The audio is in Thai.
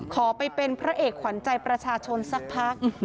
ขอไปเป็นพระเอกขวัญใจประชาชนสักพัก